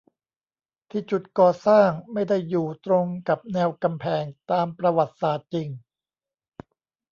ที่จุดก่อสร้างไม่ได้อยู่ตรงกับแนวกำแพงตามประวัติศาสตร์จริง